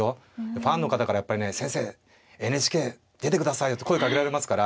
ファンの方からやっぱりね「先生ＮＨＫ出て下さいよ」って声かけられますから。